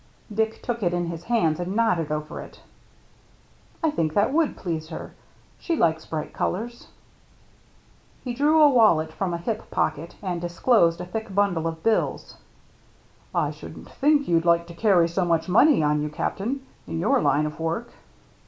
Dick took it in his hands and nodded over it. " I think that would please her. She likes bright colors." He drew a wallet from a hip pocket and disclosed a thick bundle of bills. 22 THE MERRT ANNE "I shouldn't think you'd like to carry so much money on you, Captain, in your line of work."